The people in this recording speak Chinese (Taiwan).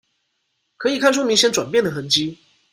可以看出明顯轉變的痕跡